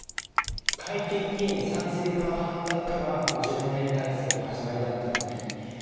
改憲に賛成か反対かが５５年体制の始まりだったんだね。